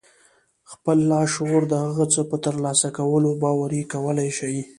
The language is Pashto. خپل لاشعور د هغه څه په ترلاسه کولو باوري کولای شئ.